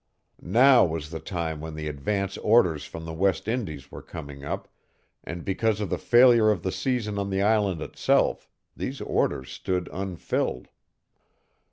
Now was the time when the advance orders from the West Indies were coming up, and, because of the failure of the season on the island itself, these orders stood unfilled.